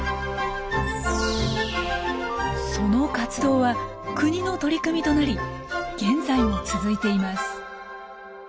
その活動は国の取り組みとなり現在も続いています。